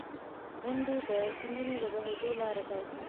• غونډۍ د سیندونو د بهېدو لاره ټاکي.